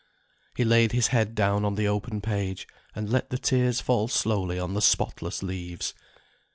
He laid his head down on the open page, and let the tears fall slowly on the spotless leaves.